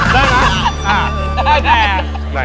ด้วยมั้ยอ่าได้ได้